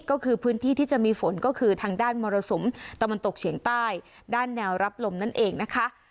ก็คือพื้นที่ที่จะมีฝนก็คือทางด้านมรสุมตะวันตกเฉียงใต้ด้านแนวรับลมนั่นเองนะคะ